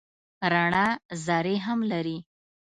رڼا ذرې هم لري.